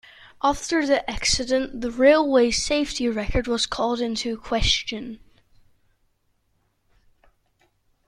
After the accident the railway's safety record was called into question.